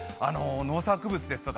農作物ですとか